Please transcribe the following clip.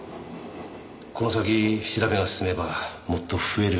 この先調べが進めばもっと増える可能性も。